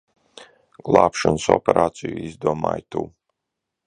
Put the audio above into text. Glābšanas operāciju izdomāji tu.